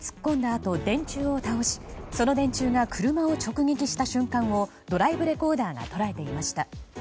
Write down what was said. あと電柱を倒しその電柱が車を直撃した瞬間をドライブレコーダーが捉えていました。